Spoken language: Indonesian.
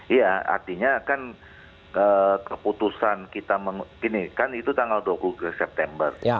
iya artinya kan keputusan kita ini kan itu tanggal dua puluh september